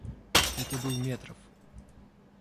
Это был Метров.